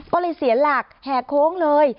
ก็เลยเสียหลักแห่โค้งเลย